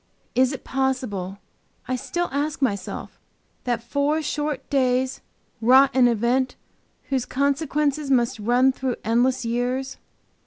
Is it possible, I still ask myself, that four short days wrought an event whose consequences must run through endless years?